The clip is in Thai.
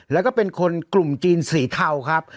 แล้วก็เป็นคนกลุ่มจีนสีเทาครับ